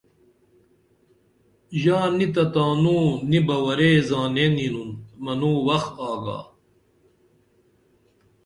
ژا نی تہ تانو نی بہ ورے زانین یینُن منوں وخت آگا